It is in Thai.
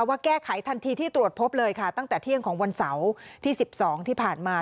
ว่าแก้ไขทันทีที่ตรวจพบเลยค่ะตั้งแต่เที่ยงของวันเสาร์ที่๑๒ที่ผ่านมา